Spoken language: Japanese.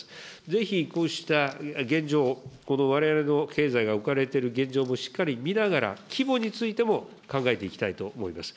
ぜひこうした現状、このわれわれの経済が置かれている現状もしっかり見ながら規模についても考えていきたいと思います。